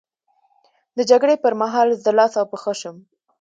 د جګړې پر مهال زه لاس او پښه شم.